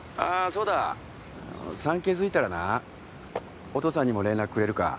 そうだ産気づいたらなお父さんにも連絡くれるか？